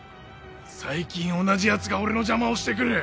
最近同じ奴が俺の邪魔をしてくる。